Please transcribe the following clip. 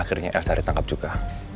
akhirnya elsa ditangkep juga